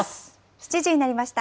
７時になりました。